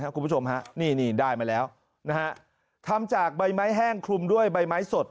คุณผู้ชมฮะนี่ได้มาแล้วนะฮะทำจากใบไม้แห้งคลุมด้วยใบไม้สด